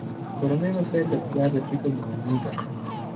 کورني مسایل د پلار د فکر لومړنۍ برخه ده.